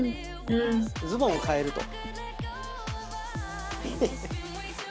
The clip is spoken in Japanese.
ズボンを替えると。